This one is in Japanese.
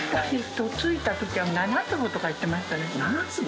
嫁いだ時は７坪とか言ってましたね。